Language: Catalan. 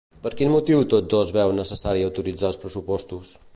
Per quin motiu tots dos veuen necessari autoritzar els pressupostos?